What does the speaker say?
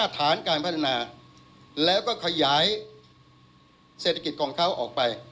ฐานการพัฒนาแล้วก็ขยายเศรษฐกิจของเขาออกไป